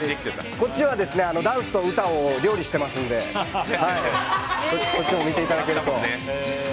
こっちはダンスと歌を料理してますんで見ていただけると。